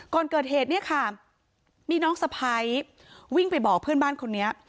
ก่อนเกิดเหตุเนี่ยค่ะมีน้องสะพ้ายวิ่งไปบอกเพื่อนบ้านคนนี้